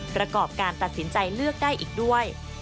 ประกอบการตัดสินใจเลือกได้อีกด้วย